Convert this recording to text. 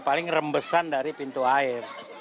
paling rembesan dari pintu air